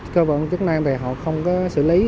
cơ vận chức năng này họ không có xử lý